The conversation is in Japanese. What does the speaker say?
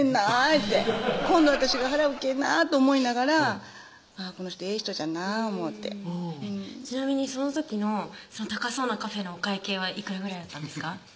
言うて今度私が払うけぇなと思いながらこの人ええ人じゃなぁ思うてちなみにその時の高そうなカフェのお会計はいくらぐらいだったんですか？